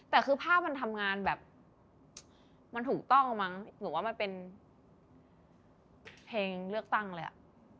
แต่คือภาพมันทำงานแบบมันถูกต้องมั้งหนูว่ามันเป็นเพลงเลือกตั้งเลยอ่ะ